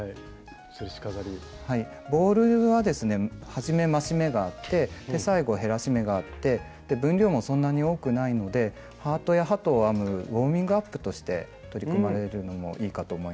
ボールはですね初め増し目があって最後減らし目があって分量もそんなに多くないのでハートや鳩を編むウォーミングアップとして取り組まれるのもいいかと思います。